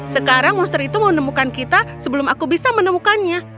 sekarang monster itu menemukan kita sebelum aku bisa menemukannya